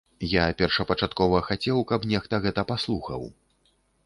Я першапачаткова хацеў, каб нехта гэта паслухаў.